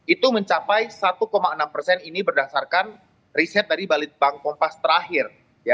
itu mencapai satu enam persen ini berdasarkan riset dari balitbank kompas terakhir